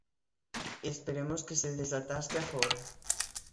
Esperemos que se desatasque agora.